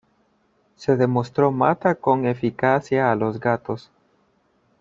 Se demostró mata con eficacia a los gatos.